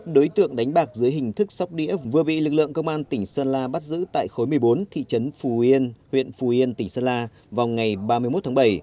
đối tượng đánh bạc dưới hình thức sóc đĩa vừa bị lực lượng công an tỉnh sơn la bắt giữ tại khối một mươi bốn thị trấn phù yên huyện phù yên tỉnh sơn la vào ngày ba mươi một tháng bảy